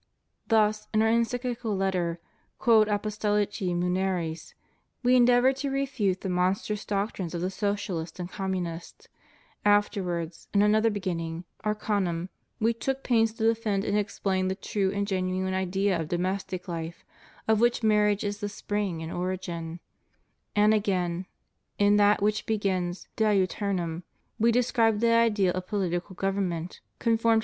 Thus, in Our Encyclical Letter, ''Quod Apostolid muneris," We endeavored to refute the monstrous doctrines of the Socialists and Communists; afterwards, in another beginning "Arcanum," We took pains to defend and explain the true and genuine idea of domestic life, of which marriage is the spring and origin; and again, in that which begins " Diutumum" We de scribed the ideal of political government conformed to FREEMASONRY.